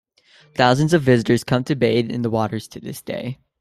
Thousands of visitors come to bathe in the waters to this day.